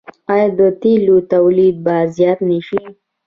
آیا د تیلو تولید به زیات نشي؟